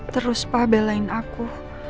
terus pak belain aku